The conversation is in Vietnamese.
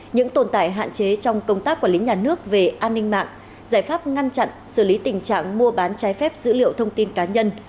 những tồn tại hạn chế trong công tác quản lý nhà nước về an ninh mạng giải pháp ngăn chặn xử lý tình trạng mua bán trái phép dữ liệu thông tin cá nhân